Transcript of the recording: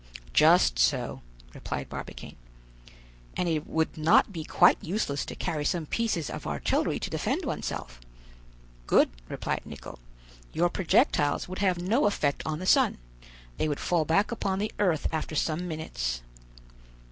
"Just so," replied Barbicane. "And it would not be quite useless to carry some pieces of artillery to defend oneself." "Good," replied Nicholl; "your projectiles would have no effect on the sun; they would fall back upon the earth after some minutes."